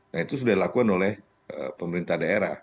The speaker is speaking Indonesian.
nah itu sudah dilakukan oleh pemerintah daerah